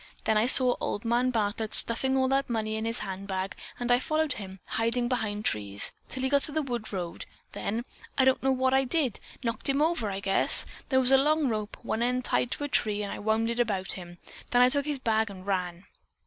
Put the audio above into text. Then I saw Old Man Bartlett stuffing all that money in his handbag and I followed him, hiding behind trees, till he got to the wood road—then—I don't know what I did—knocked him over, I guess. There was a long rope, one end tied to a tree, and I wound it about him, then I took his bag and ran."